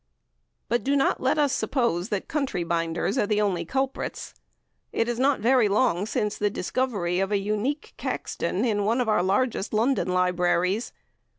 But do not let us suppose that country binders are the only culprits. It is not very long since the discovery of a unique Caxton in one of our largest London libraries.